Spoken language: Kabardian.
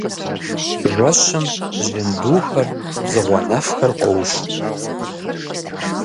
Жэщым жьындухэр, дзыгъуэнэфхэр къоуш.